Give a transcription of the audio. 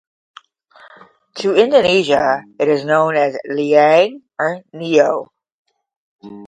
To Indonesia, it is known as Liang or Nio.